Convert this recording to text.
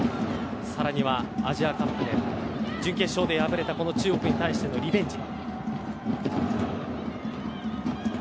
更にはアジアカップ準決勝で敗れたこの中国に対してのリベンジ。